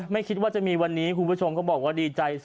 เนี่ยโชว์อยู่เนี่ย